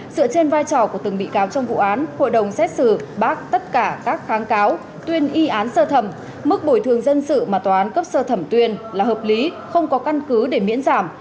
dựa trên vai trò của từng bị cáo trong vụ án hội đồng xét xử bác tất cả các kháng cáo tuyên y án sơ thẩm mức bồi thường dân sự mà tòa án cấp sơ thẩm tuyên là hợp lý không có căn cứ để miễn giảm